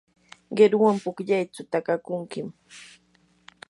qiruwan pukllaychu takakunkim.